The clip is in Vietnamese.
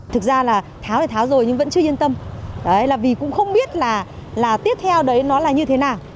thực ra là tháo thì tháo rồi nhưng vẫn chưa yên tâm là vì cũng không biết là tiếp theo đấy nó là như thế nào